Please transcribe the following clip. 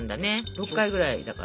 ６回ぐらいだから。